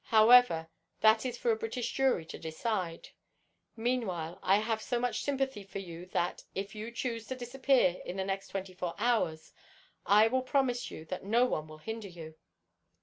However, that is for a British jury to decide. Meanwhile I have so much sympathy for you that if you choose to disappear in the next twenty four hours I will promise you that no one will hinder you."